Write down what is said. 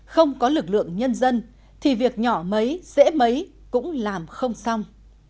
không có lực lượng nhân dân thì việc nhỏ mấy dễ mấy cũng làm không xong